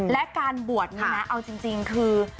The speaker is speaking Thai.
และการบวชนี้นะเอาจริงคือ